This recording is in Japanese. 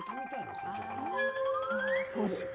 そして？